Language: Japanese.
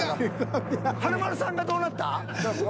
華丸さんがどうなった？